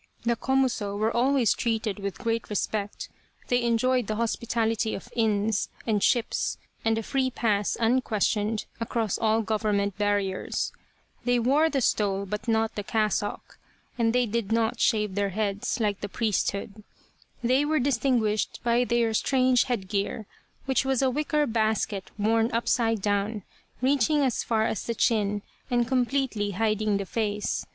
The Komuso were always treated with great respect, they enjoyed the hospitality of inns and ships, and a free pass unquestioned across all government barriers. They wore the stole but not the cassock, and they did not shave their heads like the priesthood. They were distinguished by their strange headgear, which was a wicker basket worn upside down, reaching as far as the chin and completely hiding the face.